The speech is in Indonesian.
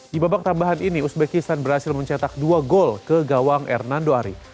di babak tambahan ini uzbekistan berhasil mencetak dua gol ke gawang hernando ari